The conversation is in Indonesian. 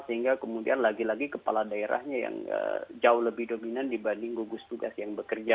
sehingga kemudian lagi lagi kepala daerahnya yang jauh lebih dominan dibanding gugus tugas yang bekerja